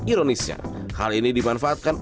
ironisnya hal ini dimanfaatkan